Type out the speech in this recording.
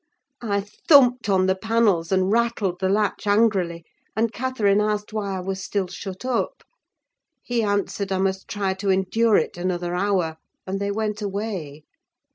I thumped on the panels, and rattled the latch angrily; and Catherine asked why I was still shut up? He answered, I must try to endure it another hour, and they went away.